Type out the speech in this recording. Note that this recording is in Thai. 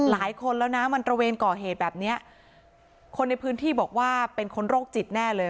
หลายคนแล้วนะมันตระเวนก่อเหตุแบบเนี้ยคนในพื้นที่บอกว่าเป็นคนโรคจิตแน่เลย